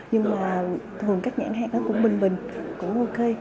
nhưng mà thường các nhãn hàng nó cũng bình bình cũng ok